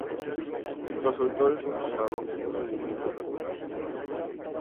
Los autores reportaron un rendimiento regular.